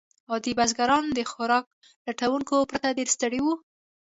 عادي بزګران د خوراک لټونکو پرتله ډېر ستړي وو.